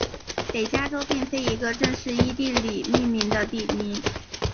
北加州并非一个正式依地理命名的地名。